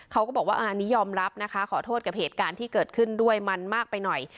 เขาก็บอกว่าอันนี้ยอมรับนะคะขอโทษกับเหตุการณ์ที่เกิดขึ้นด้วยมันมากไปหน่อย